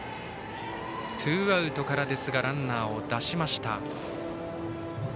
ツーアウトからですがランナーを出しました。